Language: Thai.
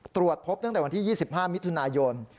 ตรวจพบตั้งแต่วันที่๒๕มิถุนายน